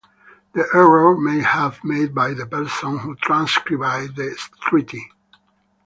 The error may have made by the person who transcribed the treaty.